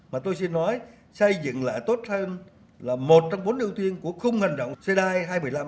mà tôi xin nói xây dựng lại tốt hơn là một trong bốn ưu tiên của khung hành động cedai hai nghìn một mươi năm hai mươi hai nghìn ba mươi